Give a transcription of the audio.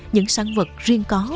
những sản vật riêng có